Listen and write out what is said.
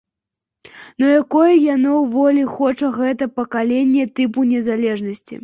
Ну якой яно волі хоча, гэтае пакаленне, тыпу незалежнасці?